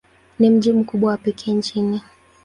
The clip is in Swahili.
Ni mji mkubwa wa pekee nchini.